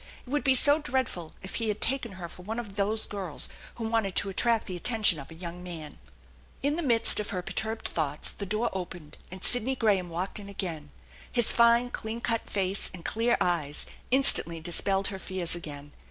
It would be so dreadful if he had taken her for one of those girls who wanted to attract the attention of a young man ! In the midst of her perturbed thoughts the door opened und Sidney Graham walked in again. His fine, clean cut face and clear eyes instantly dispelled her fears again.